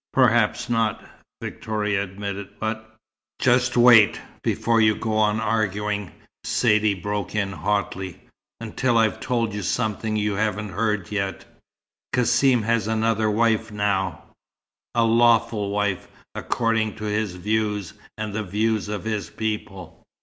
"Perhaps not," Victoria admitted. "But " "Just wait, before you go on arguing," Saidee broke in hotly, "until I've told you something you haven't heard yet. Cassim has another wife now a lawful wife, according to his views, and the views of his people.